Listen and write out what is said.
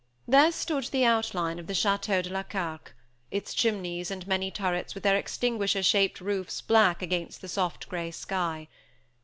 There stood the outline of the Château de la Carque, its chimneys and many turrets with their extinguisher shaped roofs black against the soft grey sky.